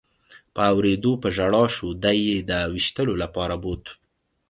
په اورېدو په ژړا شو، دی یې د وېشتلو لپاره بوت.